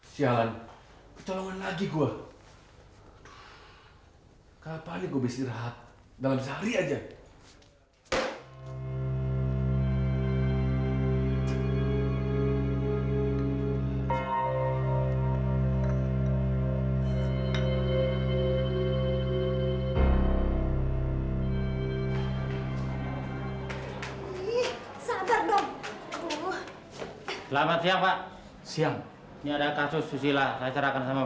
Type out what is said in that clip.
sialan kecolongan lagi gue